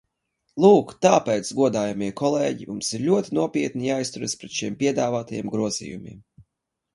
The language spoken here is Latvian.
Lūk, tāpēc, godājamie kolēģi, mums ir ļoti nopietni jāizturas pret šiem piedāvātajiem grozījumiem.